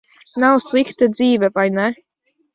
Nav slikta dzīve, vai ne?